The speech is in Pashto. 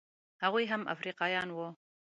هغوی هم افریقایان وو.